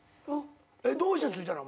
どうしてついたの？